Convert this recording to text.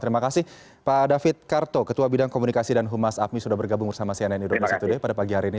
terima kasih pak david karto ketua bidang komunikasi dan humas apmi sudah bergabung bersama cnn indonesia today pada pagi hari ini